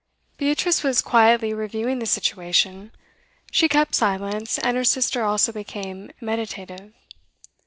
Beatrice was quietly reviewing the situation. She kept silence, and her sister also became meditative.